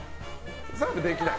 澤部、できない。